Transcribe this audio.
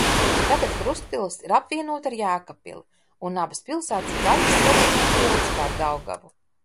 Tagad Krustpils ir apvienota ar Jēkabpili un abas pilsētas daļas savieno tilts pār Daugavu.